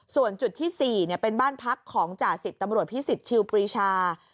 ส่วนจุดที่๔เนี่ยเป็นบ้านพักของจ่าสิทธิ์ตำรวจพิศิษฐ์ชิลปริชา